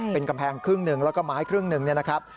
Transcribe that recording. เป็นกำแพงครึ่งหนึ่งแล้วก็ไม้ครึ่งหนึ่งเนี่ยนะครับ